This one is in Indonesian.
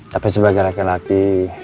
tapi sebagai laki laki